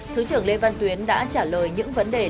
thứ trưởng lê văn tuyến đã trả lời những vấn đề liên quan